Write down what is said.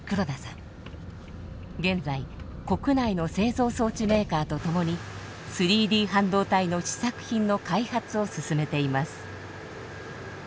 現在国内の製造装置メーカーと共に３Ｄ半導体の試作品の開発を進めています。